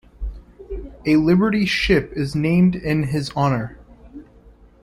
A Liberty ship is named in his honor.